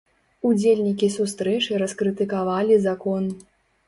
Удзельнікі сустрэчы раскрытыкавалі закон.